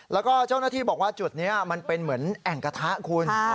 แล้วก็เจ้าหน้าที่บอกว่าจุดนี้มันเป็นเหมือนแอ่งกระทะคุณ